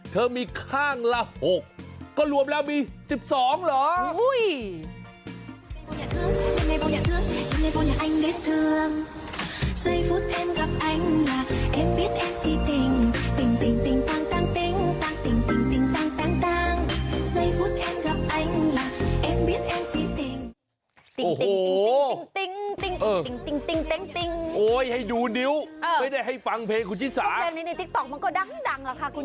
เธอมีข้างละ๖ก็รวมแล้วมี๑๒เหรอ